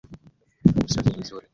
Usafi ni mzuri.